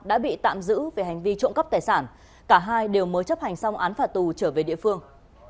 đã bị tạm giữ về hành vi trộm cắp tài sản cả hai đều mới chấp hành xong án phạt tù trở về địa phương